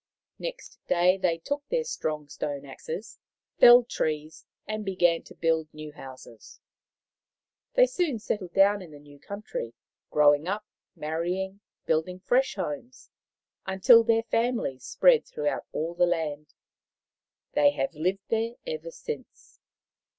Next day they took their strong stone axes, felled trees, and began to build new houses. They soon settled down in the new country, growing up, marrying, building fresh homes, until their families spread through all the land. They have lived there ever since.